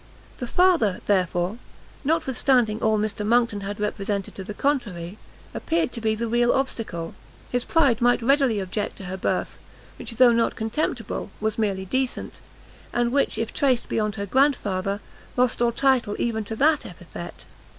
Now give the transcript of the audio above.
The Father, therefore, notwithstanding all Mr Monckton had represented to the contrary, appeared to be the real obstacle; his pride might readily object to her birth, which though not contemptible, was merely decent, and which, if traced beyond her grandfather, lost all title even to that epithet.